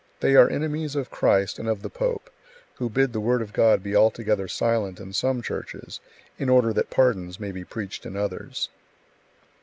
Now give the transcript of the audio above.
They are enemies of Christ and of the pope, who bid the Word of God be altogether silent in some Churches, in order that pardons may be preached in others.